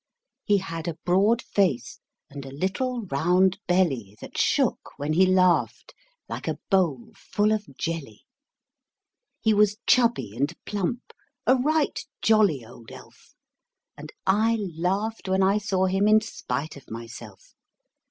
He had a broad face, and a little round belly That shook when he laughed, like a bowl full of jelly. He was chubby and plump a right jolly old elf; And I laughed when I saw him in spite of myself.